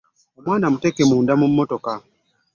Omwana muteeke munda mu mmotoka.